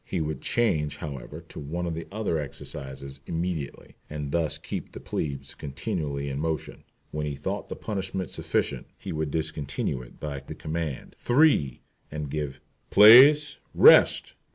He would change, however, to one of the other exercises immediately, and thus keep the plebes continually in motion. When he thought the punishment sufficient he would discontinue it by the command, "three," and give "place, rest."